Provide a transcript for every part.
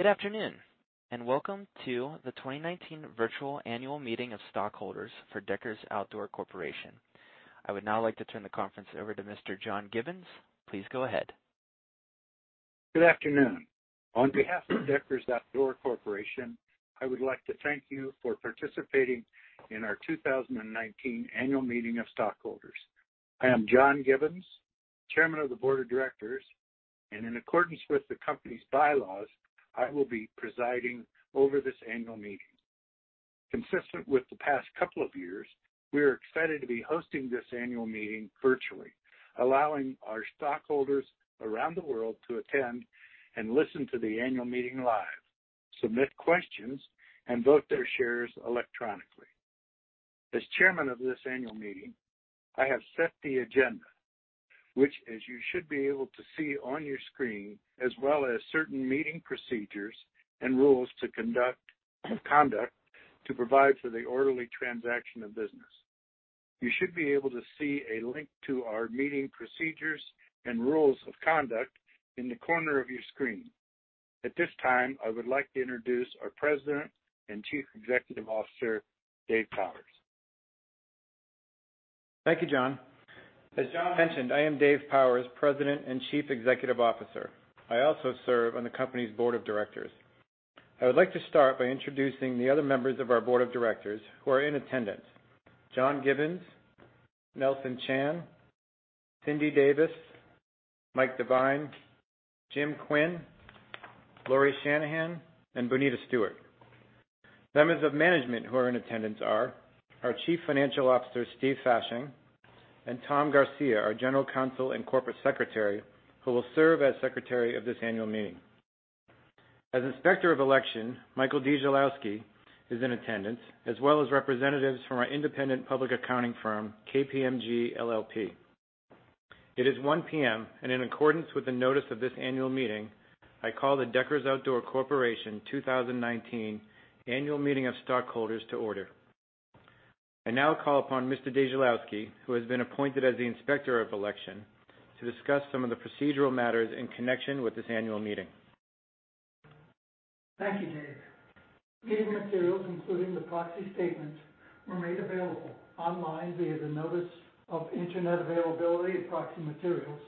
Good afternoon, and welcome to the 2019 virtual annual meeting of stockholders for Deckers Outdoor Corporation. I would now like to turn the conference over to Mr. John Gibbons. Please go ahead. Good afternoon. On behalf of Deckers Outdoor Corporation, I would like to thank you for participating in our 2019 annual meeting of stockholders. I am John Gibbons, chairman of the board of directors, and in accordance with the company's bylaws, I will be presiding over this annual meeting. Consistent with the past couple of years, we are excited to be hosting this annual meeting virtually, allowing our stockholders around the world to attend and listen to the annual meeting live, submit questions, and vote their shares electronically. As chairman of this annual meeting, I have set the agenda, which as you should be able to see on your screen, as well as certain meeting procedures and rules of conduct to provide for the orderly transaction of business. You should be able to see a link to our meeting procedures and rules of conduct in the corner of your screen. At this time, I would like to introduce our President and Chief Executive Officer, Dave Powers. Thank you, John. As John mentioned, I am Dave Powers, President and Chief Executive Officer. I also serve on the company's board of directors. I would like to start by introducing the other members of our board of directors who are in attendance. John Gibbons, Nelson Chan, Cindy Davis, Mike Devine, Jim Quinn, Lauri Shanahan, and Bonita Stewart. Members of management who are in attendance are our Chief Financial Officer, Steve Fasching, and Tom Garcia, our General Counsel and Corporate Secretary, who will serve as secretary of this annual meeting. As inspector of election, Michael Dziulowski is in attendance, as well as representatives from our independent public accounting firm, KPMG LLP. It is 1:00 P.M. In accordance with the notice of this annual meeting, I call the Deckers Outdoor Corporation 2019 annual meeting of stockholders to order. I now call upon Mr. Dziulowski, who has been appointed as the Inspector of Election, to discuss some of the procedural matters in connection with this annual meeting. Thank you, Dave. Meeting materials, including the proxy statement, were made available online via the notice of internet availability of proxy materials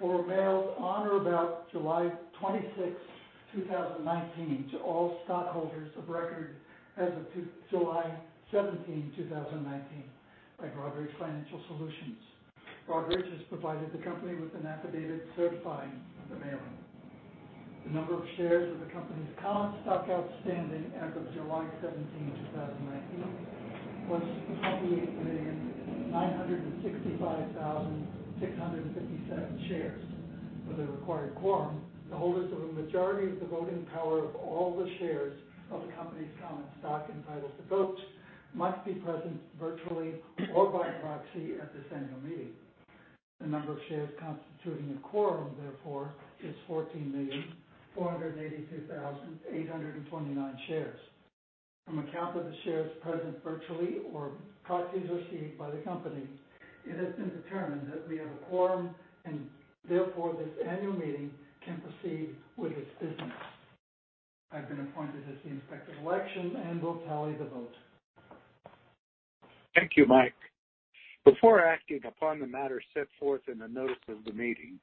or mailed on or about July 26, 2019, to all stockholders of record as of July 17, 2019, by Broadridge Financial Solutions. Broadridge has provided the company with an affidavit certifying the mailing. The number of shares of the company's common stock outstanding as of July 17, 2019, was 28,965,657 shares. For the required quorum, the holders of a majority of the voting power of all the shares of the company's common stock entitled to vote must be present virtually or by proxy at this annual meeting. The number of shares constituting a quorum, therefore, is 14,482,829 shares. From a count of the shares present virtually or proxies received by the company, it has been determined that we have a quorum and therefore this annual meeting can proceed with its business. I've been appointed as the inspector of election and will tally the vote. Thank you, Mike. Before acting upon the matter set forth in the notice of the meeting,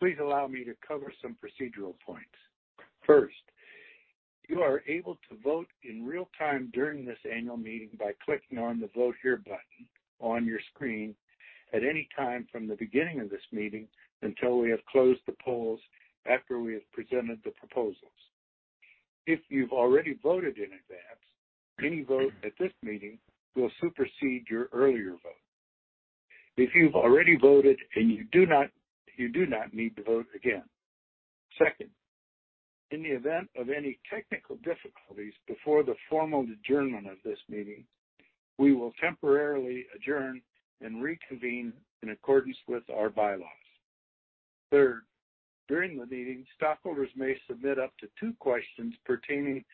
please allow me to cover some procedural points. First, you are able to vote in real-time during this annual meeting by clicking on the Vote Here button on your screen at any time from the beginning of this meeting until we have closed the polls after we have presented the proposals. If you've already voted in advance, any vote at this meeting will supersede your earlier vote. If you've already voted, you do not need to vote again. Second, in the event of any technical difficulties before the formal adjournment of this meeting, we will temporarily adjourn and reconvene in accordance with our bylaws. Third, during the meeting, stockholders may submit up to two questions pertaining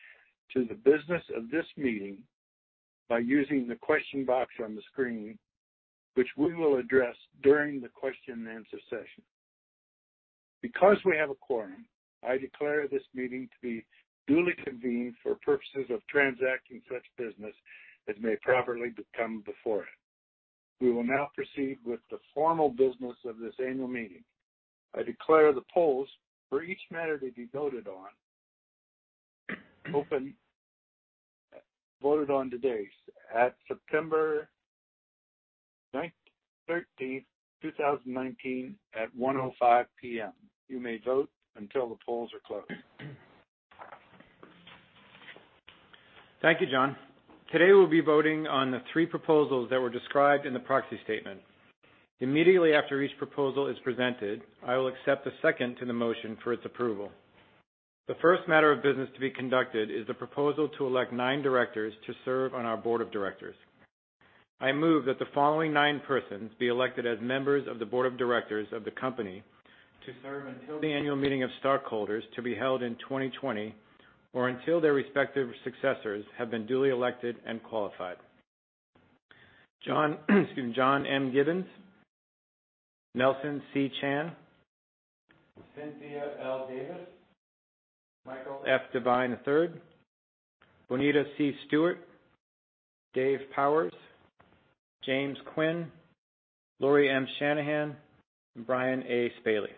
to the business of this meeting by using the question box on the screen, which we will address during the question and answer session. Because we have a quorum, I declare this meeting to be duly convened for purposes of transacting such business as may properly come before it. We will now proceed with the formal business of this annual meeting. I declare the polls for each matter to be voted on today at September thirteenth, 2019, at 1:05 P.M. You may vote until the polls are closed. Thank you, John. Today, we'll be voting on the three proposals that were described in the proxy statement. Immediately after each proposal is presented, I will accept a second to the motion for its approval. The first matter of business to be conducted is the proposal to elect nine directors to serve on our board of directors. I move that the following nine persons be elected as members of the board of directors of the company to serve until the annual meeting of stockholders to be held in 2020, or until their respective successors have been duly elected and qualified. John M. Gibbons, Nelson C. Chan, Cynthia L. Davis, Michael F. Devine III, Bonita C. Stewart, Dave Powers, James Quinn, Lauri M. Shanahan, and Brian A. Spaly.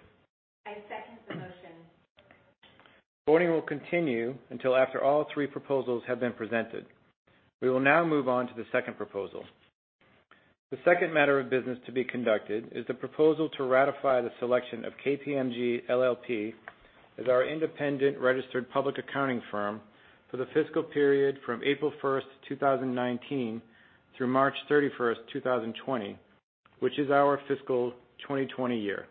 I second the motion. Voting will continue until after all three proposals have been presented. We will now move on to the second proposal. The second matter of business to be conducted is the proposal to ratify the selection of KPMG LLP as our independent registered public accounting firm for the fiscal period from April first, 2019 through March 31st, 2020, which is our fiscal 2020 year.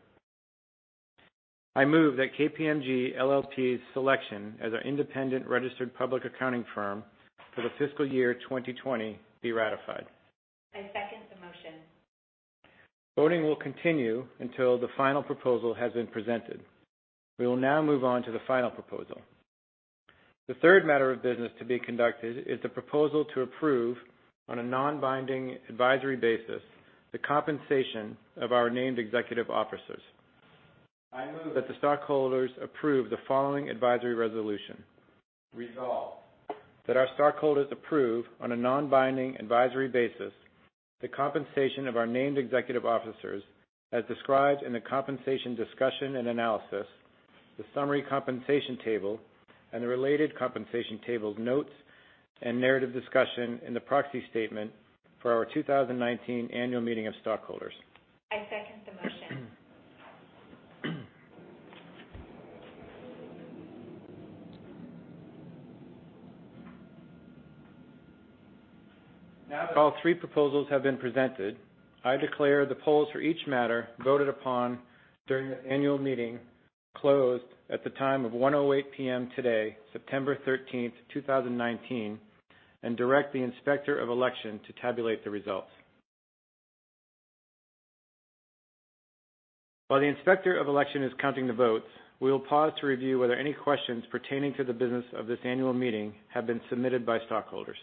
I move that KPMG LLP's selection as our independent registered public accounting firm for the fiscal year 2020 be ratified. I second the motion. Voting will continue until the final proposal has been presented. We will now move on to the final proposal. The third matter of business to be conducted is the proposal to approve, on a non-binding advisory basis, the compensation of our named executive officers. I move that the stockholders approve the following advisory resolution. Resolved, that our stockholders approve, on a non-binding advisory basis, the compensation of our named executive officers as described in the Compensation Discussion and Analysis, the Summary Compensation Table, and the related compensation table notes and narrative discussion in the Proxy Statement for our 2019 annual meeting of stockholders. I second the motion. Now that all three proposals have been presented, I declare the polls for each matter voted upon during this annual meeting closed at the time of 1:08 P.M. today, September 13th, 2019, and direct the Inspector of Election to tabulate the results. While the Inspector of Election is counting the votes, we will pause to review whether any questions pertaining to the business of this annual meeting have been submitted by stockholders.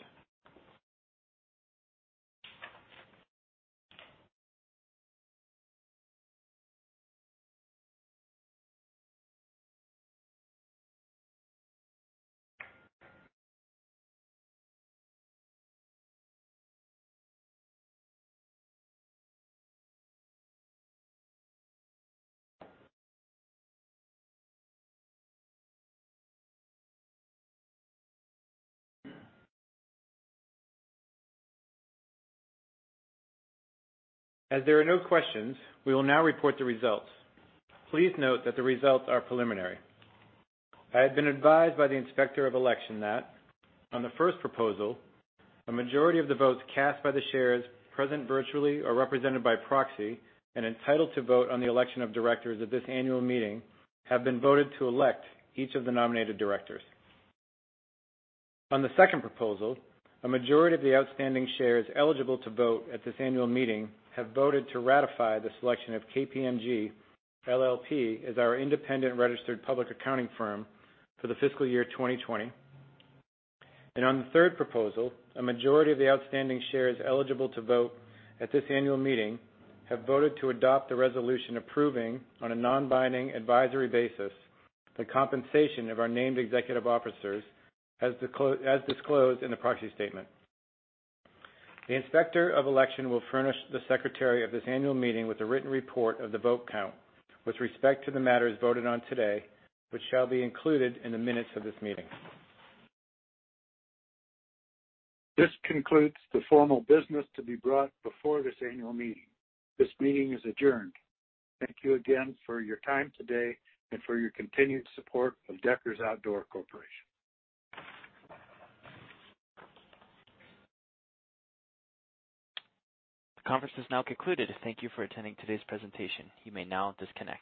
As there are no questions, we will now report the results. Please note that the results are preliminary. I have been advised by the Inspector of Election that on the first proposal, a majority of the votes cast by the shares present virtually or represented by proxy and entitled to vote on the election of directors at this annual meeting have been voted to elect each of the nominated directors. On the second proposal, a majority of the outstanding shares eligible to vote at this annual meeting have voted to ratify the selection of KPMG LLP as our independent registered public accounting firm for the fiscal year 2020. On the third proposal, a majority of the outstanding shares eligible to vote at this annual meeting have voted to adopt the resolution approving, on a non-binding advisory basis, the compensation of our named executive officers as disclosed in the proxy statement. The Inspector of Election will furnish the Secretary of this annual meeting with a written report of the vote count with respect to the matters voted on today, which shall be included in the minutes of this meeting. This concludes the formal business to be brought before this annual meeting. This meeting is adjourned. Thank you again for your time today and for your continued support of Deckers Outdoor Corporation. The conference is now concluded. Thank you for attending today's presentation. You may now disconnect.